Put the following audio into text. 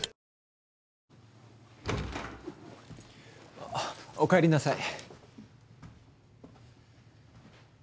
あっおかえりなさい。